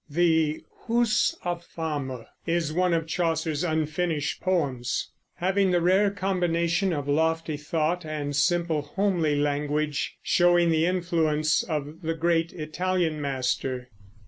The "Hous of Fame" is one of Chaucer's unfinished poems, having the rare combination of lofty thought and simple, homely language, showing the influence of the great Italian master.